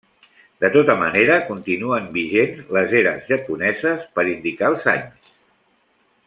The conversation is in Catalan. De tota manera, continuen vigents les eres japoneses per indicar els anys.